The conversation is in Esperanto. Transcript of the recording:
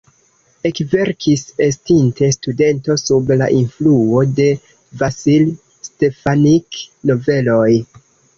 Ekverkis estinte studento sub la influo de Vasil Stefanik-noveloj.